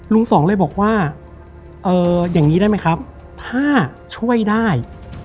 สองเลยบอกว่าอย่างนี้ได้ไหมครับถ้าช่วยได้